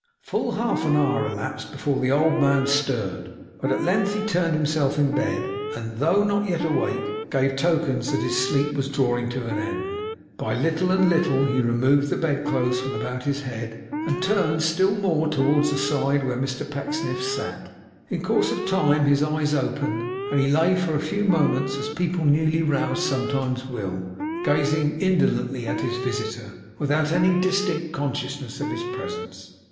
Full half an hour elapsed before the old man stirred, but at length he turned himself in bed, and, though not yet awake, gave tokens that his sleep was drawing to an end. By little and little he removed the bed clothes from about his head, and turned still more towards the side where Mr Pecksniff sat. In course of time his eyes opened; and he lay for a few moments as people newly roused sometimes will, gazing indolently at his visitor, without any distinct consciousness of his presence.